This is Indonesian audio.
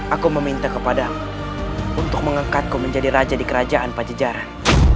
aku meminta kepadamu untuk mengangkatku menjadi raja di kerajaan pajajaran